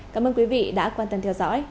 cảm ơn quý vị đã quan tâm theo dõi